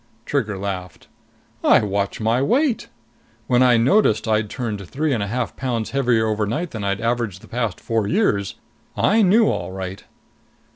Trigger laughed. "I watch my weight. When I noticed I'd turned three and a half pounds heavier overnight than I'd averaged the past four years, I knew all right!"